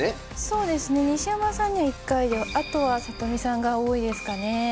そうですね西山さんには１回であとは里見さんが多いですかね。